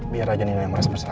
biar aja nino yang merasakannya